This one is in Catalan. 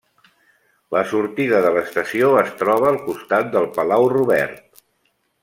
La sortida de l'estació es troba al costat del Palau Robert.